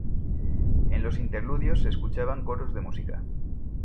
En los interludios se escuchaban coros de música.